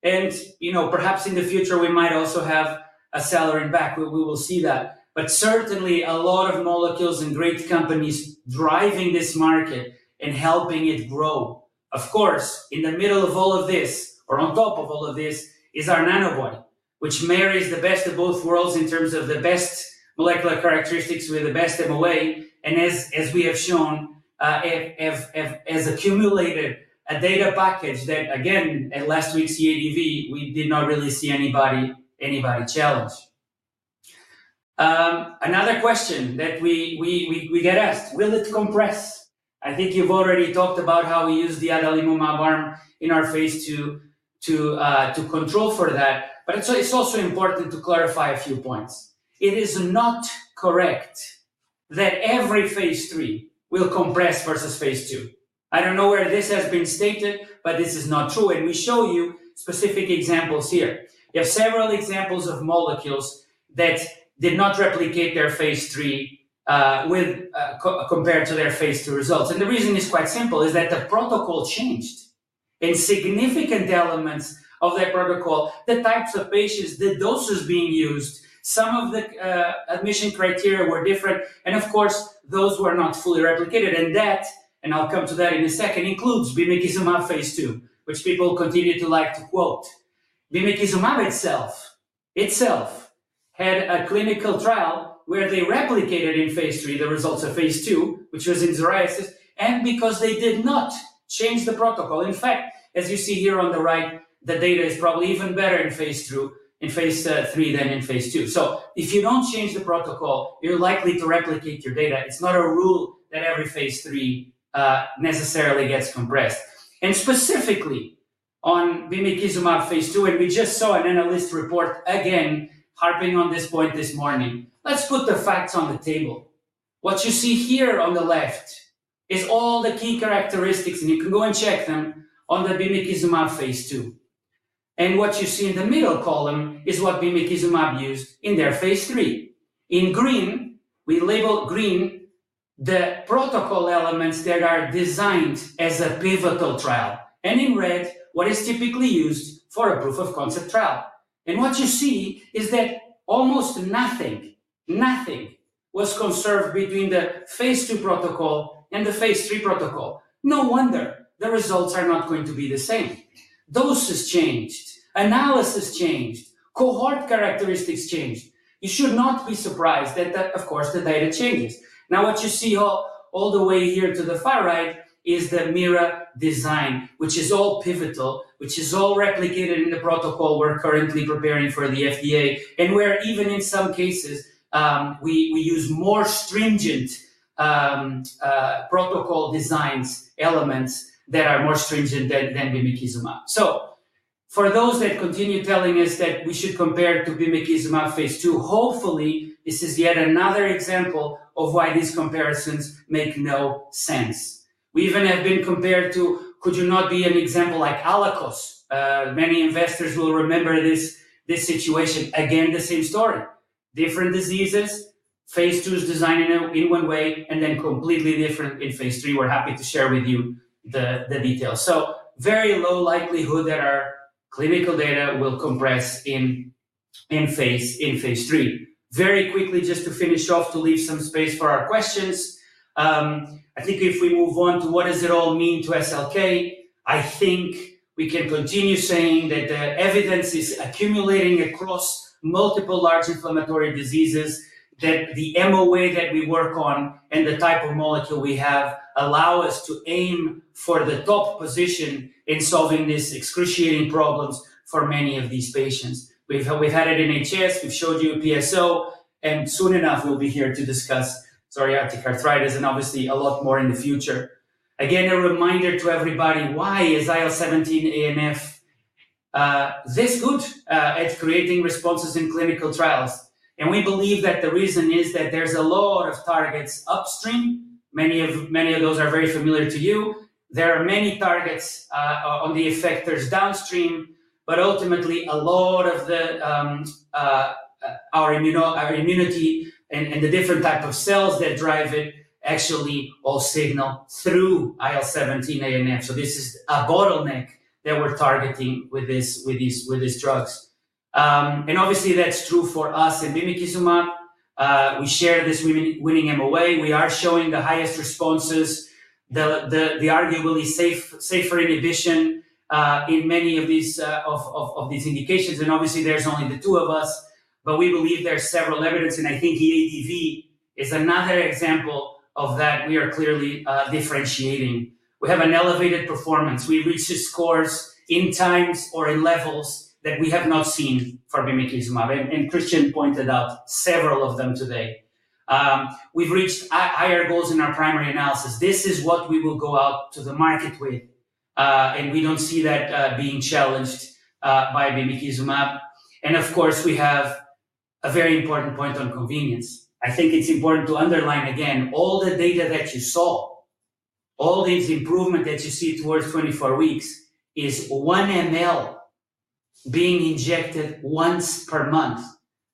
And, you know, perhaps in the future, we might also have secukinumab, we will see that. But certainly, a lot of molecules and great companies driving this market and helping it grow. Of course, in the middle of all of this, or on top of all of this, is our Nanobody, which marries the best of both worlds in terms of the best molecular characteristics with the best MOA, and as, as we have shown, it has accumulated a data package that, again, at last week's EADV, we did not really see anybody challenge. Another question that we get asked: Will it compress? I think you've already talked about how we use the adalimumab arm in our phase II to control for that, but it's also important to clarify a few points. It is not correct that every phase III will compress versus phase II. I don't know where this has been stated, but this is not true, and we show you specific examples here. You have several examples of molecules that did not replicate their phase III compared to their phase II results. The reason is quite simple, is that the protocol changed, and significant elements of that protocol, the types of patients, the doses being used, some of the admission criteria were different, and of course, those were not fully replicated. And that, and I'll come to that in a second, includes bimekizumab phase II, which people continue to like to quote. Bimekizumab itself, itself had a clinical trial where they replicated in phase III the results of phase II, which was in psoriasis, and because they did not change the protocol. In fact, as you see here on the right, the data is probably even better in phase III than in phase II. So if you don't change the protocol, you're likely to replicate your data. It's not a rule that every phase III necessarily gets compressed. Specifically on bimekizumab phase II, we just saw an analyst report, again, harping on this point this morning. Let's put the facts on the table. What you see here on the left is all the key characteristics, and you can go and check them on the bimekizumab phase II. What you see in the middle column is what bimekizumab used in their phase III. In green, we labeled green the protocol elements that are designed as a pivotal trial, and in red, what is typically used for a proof of concept trial. What you see is that almost nothing, nothing was conserved between the phase II protocol and the phase III protocol. No wonder the results are not going to be the same. Doses changed, analysis changed, cohort characteristics changed. You should not be surprised that, of course, the data changes. Now, what you see all the way here to the far right is the MIRA design, which is all pivotal, which is all replicated in the protocol we're currently preparing for the FDA, and where even in some cases, we use more stringent protocol designs, elements that are more stringent than bimekizumab. So for those that continue telling us that we should compare to bimekizumab phase II, hopefully, this is yet another example of why these comparisons make no sense. We even have been compared to, "Could you not be an example like Allakos?" Many investors will remember this situation. Again, the same story. Different diseases, phase II is designed in one way, and then completely different in phase III. We're happy to share with you the details. So very low likelihood that our clinical data will compress in phase III. Very quickly, just to finish off, to leave some space for our questions. I think if we move on to what does it all mean to SLK, I think we can continue saying that the evidence is accumulating across multiple large inflammatory diseases, that the MOA that we work on and the type of molecule we have allow us to aim for the top position in solving these excruciating problems for many of these patients. We've had it in HS, we've showed you PSO, and soon enough, we'll be here to discuss psoriatic arthritis, and obviously a lot more in the future. Again, a reminder to everybody, why is IL-17A and IL-17F this good at creating responses in clinical trials? And we believe that the reason is that there's a lot of targets upstream. Many of those are very familiar to you. There are many targets on the effectors downstream, but ultimately, a lot of our immunity and the different type of cells that drive it actually all signal through IL-17A and IL-17F. So this is a bottleneck that we're targeting with these drugs. And obviously, that's true for us and bimekizumab. We share this winning MOA. We are showing the highest responses, the arguably safer inhibition in many of these indications, and obviously there's only the two of us. But we believe there are several evidence, and I think EADV is another example of that we are clearly differentiating. We have an elevated performance. We've reached the scores in times or in levels that we have not seen for bimekizumab, and Kristian pointed out several of them today. We've reached higher goals in our primary analysis. This is what we will go out to the market with, and we don't see that being challenged by bimekizumab. And of course, we have a very important point on convenience. I think it's important to underline again, all the data that you saw, all these improvement that you see towards 24 weeks is 1 ml being injected once per month.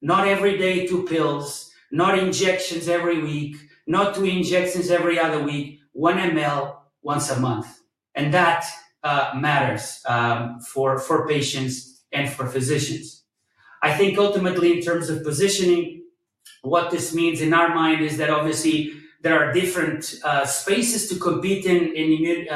Not every day, 2 pills, not injections every week, not 2 injections every other week, 1 ml once a month, and that matters for patients and for physicians. I think ultimately, in terms of positioning, what this means in our mind is that obviously there are different spaces to compete in, in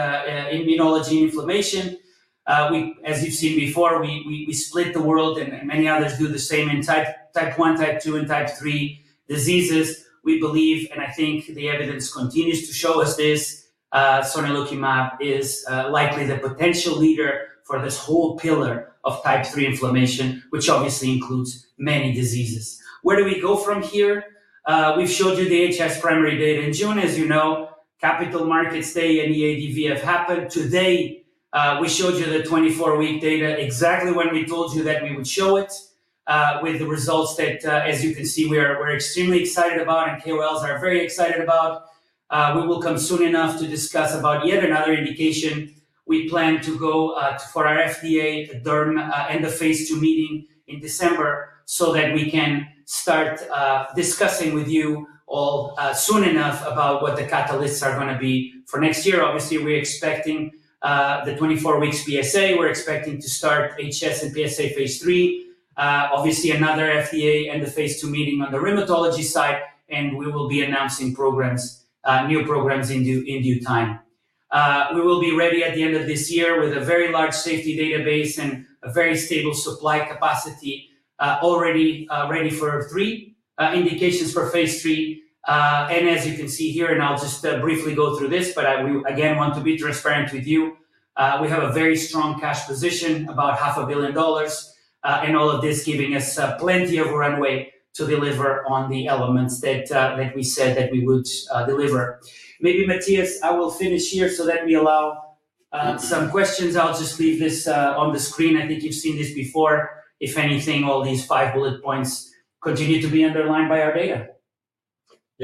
immunology and inflammation. As you've seen before, we split the world, and many others do the same in type 1, type 2, and type 3 diseases. We believe, and I think the evidence continues to show us this, sonelokimab is likely the potential leader for this whole pillar of type 3 inflammation, which obviously includes many diseases. Where do we go from here? We've showed you the HS primary data. In June, as you know, Capital Markets Day and EADV have happened. Today, we showed you the 24-week data, exactly when we told you that we would show it, with the results that, as you can see, we're extremely excited about and KOLs are very excited about. We will come soon enough to discuss about yet another indication. We plan to go for our FDA derm and the phase II meeting in December, so that we can start discussing with you all soon enough about what the catalysts are gonna be for next year. Obviously, we're expecting the 24 weeks PsA. We're expecting to start HS and PsA phase III. Obviously, another FDA and the phase II meeting on the rheumatology side, and we will be announcing new programs in due time. We will be ready at the end of this year with a very large safety database and a very stable supply capacity, already ready for three indications for phase III. And as you can see here, and I'll just briefly go through this, but I will again want to be transparent with you. We have a very strong cash position, about $500 million, and all of this giving us plenty of runway to deliver on the elements that that we said that we would deliver. Maybe, Matthias, I will finish here, so let me allow some questions. I'll just leave this on the screen. I think you've seen this before. If anything, all these 5 bullet points continue to be underlined by our data.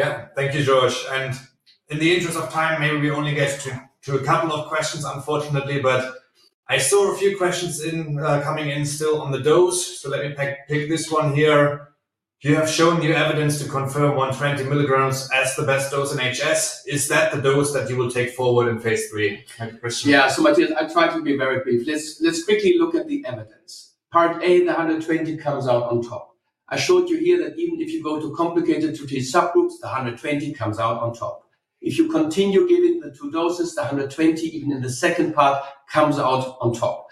Yeah. Thank you, Jorge, and in the interest of time, maybe we only get to a couple of questions, unfortunately. But I saw a few questions coming in still on the dose, so let me pick this one here. "Do you have shown new evidence to confirm 120 mg as the best dose in HS? Is that the dose that you will take forward in phase III?" Kind of question. Yeah. So Matthias, I'll try to be very brief. Let's quickly look at the evidence. Part A, the 120 mg comes out on top. I showed you here that even if you go to complicated to these subgroups, the 120 mg comes out on top. If you continue giving the two doses, the 120 mg, even in the second part, comes out on top.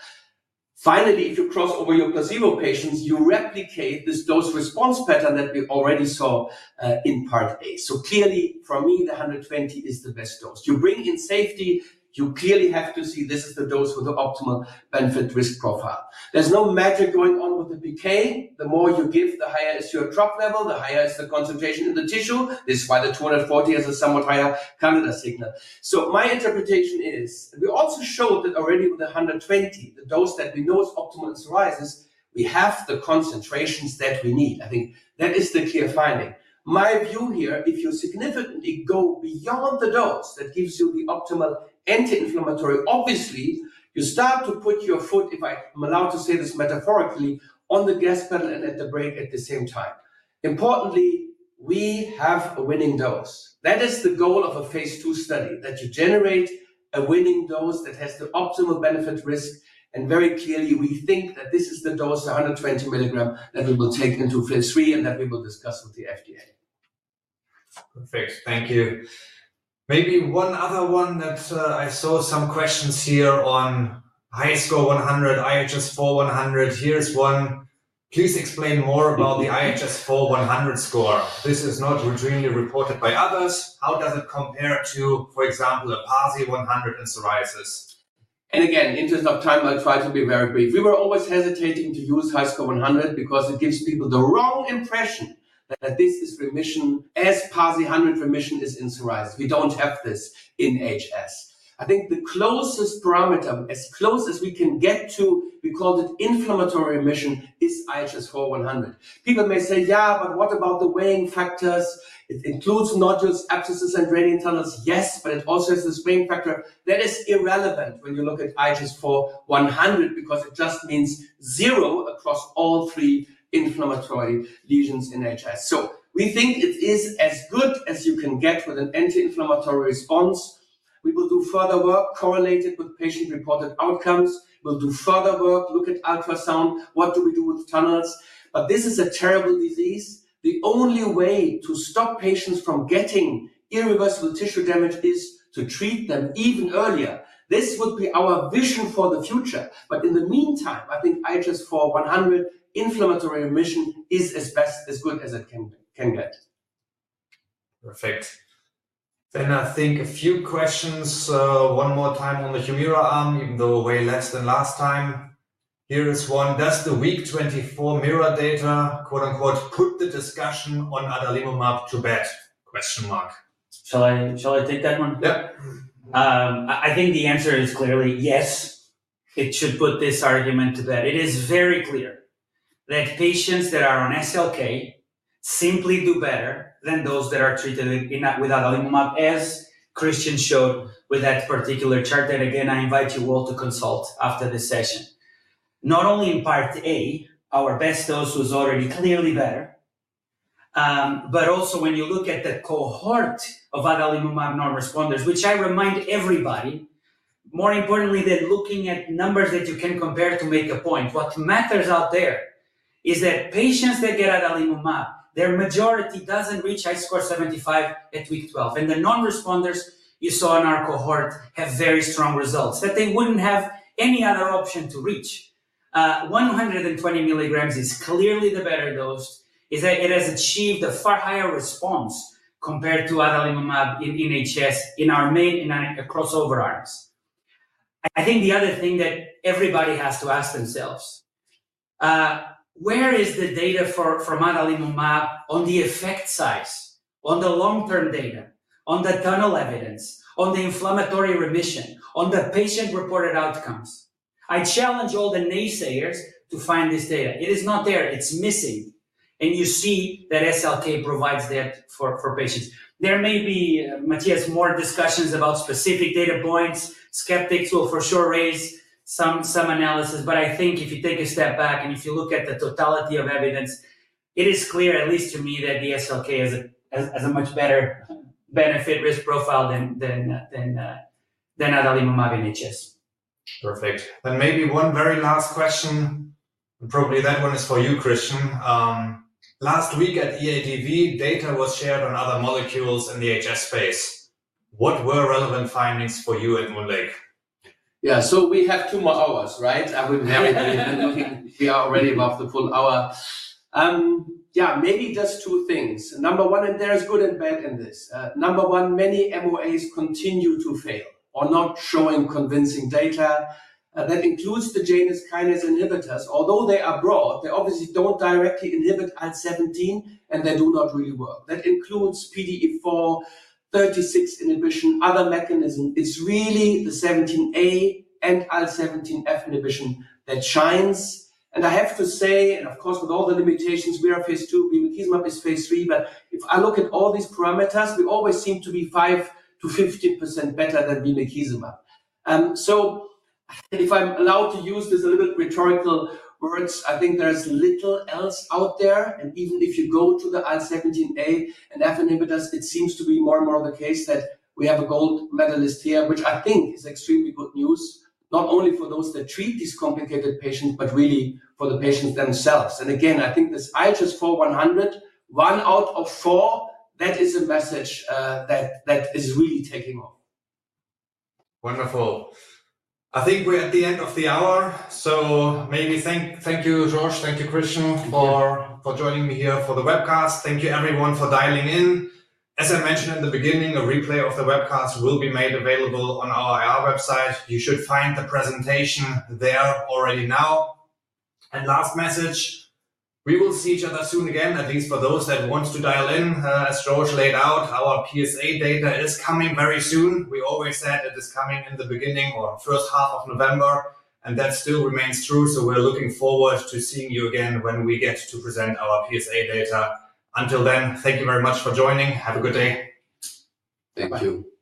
Finally, if you cross over your placebo patients, you replicate this dose-response pattern that we already saw in Part A. So clearly, for me, the 120 mg is the best dose. You bring in safety, you clearly have to see this is the dose with the optimal benefit-risk profile. There's no magic going on with the PK. The more you give, the higher is your trough level, the higher is the concentration in the tissue. This is why the 240 mg has a somewhat higher candida signal. So my interpretation is, we also showed that already with the 120 mg, the dose that we know is optimal in psoriasis, we have the concentrations that we need. I think that is the clear finding. My view here, if you significantly go beyond the dose, that gives you the optimal anti-inflammatory. Obviously, you start to put your foot, if I'm allowed to say this metaphorically, on the gas pedal and at the brake at the same time. Importantly, we have a winning dose. That is the goal of a phase II study, that you generate a winning dose that has the optimal benefit-risk, and very clearly, we think that this is the dose, the 120 mg, that we will take into phase III and that we will discuss with the FDA. Perfect. Thank you. Maybe one other one that, I saw some questions here on HiSCR100, IHS4-100. Here's one: "Please explain more about the IHS4-100 score. This is not routinely reported by others. How does it compare to, for example, a PASI 100 in psoriasis? And again, in terms of time, I'll try to be very brief. We were always hesitating to use HiSCR100 because it gives people the wrong impression that this is remission, as PASI 100 remission is in psoriasis. We don't have this in HS. I think the closest parameter, as close as we can get to, we call it inflammatory remission, is IHS4-100. People may say, "Yeah, but what about the weighting factors? It includes nodules, abscesses, and draining tunnels." Yes, but it also has a weighting factor that is irrelevant when you look at IHS4-100 because it just means zero across all three inflammatory lesions in IHS. So we think it is as good as you can get with an anti-inflammatory response.... We will do further work correlated with patient-reported outcomes. We'll do further work, look at ultrasound, what do we do with tunnels? But this is a terrible disease. The only way to stop patients from getting irreversible tissue damage is to treat them even earlier. This would be our vision for the future, but in the meantime, I think IHS4-100, inflammatory remission, is as best, as good as it can, can get. Perfect. Then I think a few questions, one more time on the Humira arm, even though way less than last time. Here is one: Does the week 24 Humira data, quote, unquote, "Put the discussion on adalimumab to bed?" Question mark. Shall I take that one? Yep. I think the answer is clearly yes, it should put this argument to bed. It is very clear that patients that are on SLK simply do better than those that are treated in, with adalimumab, as Kristian showed with that particular chart, that again, I invite you all to consult after this session. Not only in Part A, our best dose was already clearly better, but also when you look at the cohort of adalimumab non-responders, which I remind everybody, more importantly, than looking at numbers that you can compare to make a point, what matters out there is that patients that get adalimumab, their majority doesn't reach HiSCR75 at week 12. And the non-responders you saw in our cohort have very strong results, that they wouldn't have any other option to reach. 120 milligrams is clearly the better dose, in that it has achieved a far higher response compared to adalimumab in, in HS, in our main and our crossover arms. I think the other thing that everybody has to ask themselves, where is the data for, for adalimumab on the effect size, on the long-term data, on the tunnel evidence, on the inflammatory remission, on the patient-reported outcomes? I challenge all the naysayers to find this data. It is not there, it's missing, and you see that SLK provides that for, for patients. There may be, Matthias, more discussions about specific data points. Skeptics will for sure raise some analysis, but I think if you take a step back and if you look at the totality of evidence, it is clear, at least to me, that sonelokimab has a much better benefit-risk profile than adalimumab in HS. Perfect. Then maybe one very last question, and probably that one is for you, Kristian. Last week at EADV, data was shared on other molecules in the HS space. What were relevant findings for you at MoonLake? Yeah. So we have 2 more hours, right? And we are already above the full hour. Yeah, maybe just two things. Number one, and there is good and bad in this. Number one, many MOAs continue to fail or not showing convincing data, and that includes the Janus kinase inhibitors. Although they are broad, they obviously don't directly inhibit IL-17, and they do not really work. That includes PDE4, 36% inhibition, other mechanism. It's really the IL-17A and IL-17F inhibition that shines. And I have to say, and of course, with all the limitations, we are phase II, bimekizumab is phase III, but if I look at all these parameters, we always seem to be 5%-15% better than bimekizumab. So if I'm allowed to use this a little bit rhetorical words, I think there's little else out there. And even if you go to the IL-17A and IL-17F inhibitors, it seems to be more and more the case that we have a gold medalist here, which I think is extremely good news, not only for those that treat these complicated patients, but really for the patients themselves. And again, I think this IHS4-100, one out of four, that is a message that is really taking off. Wonderful. I think we're at the end of the hour, so maybe thank you, Jorge, thank you, Kristian- Thank you. For joining me here for the webcast. Thank you, everyone, for dialing in. As I mentioned in the beginning, a replay of the webcast will be made available on our IR website. You should find the presentation there already now. And last message, we will see each other soon again, at least for those that want to dial in. As Jorge laid out, our PsA data is coming very soon. We always said it is coming in the beginning or first half of November, and that still remains true. So we're looking forward to seeing you again when we get to present our PsA data. Until then, thank you very much for joining. Have a good day. Thank you.